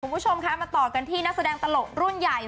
คุณผู้ชมคะมาต่อกันที่นักแสดงตลกรุ่นใหญ่